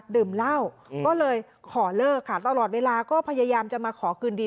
ดื่มเหล้าก็เลยขอเลิกค่ะตลอดเวลาก็พยายามจะมาขอคืนดี